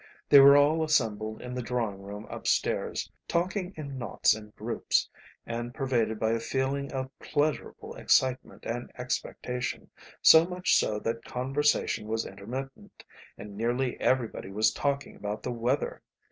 They were all assembled in the drawing room upstairs, talking in knots and groups, and pervaded by a feeling of pleasurable excitement and expectation, so much so that conversation was intermittent, and nearly everybody was talking about the weather.